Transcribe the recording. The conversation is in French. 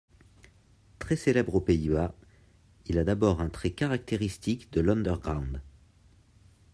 Très célèbre aux Pays-Bas, il a d'abord un trait caractéristique de l'underground.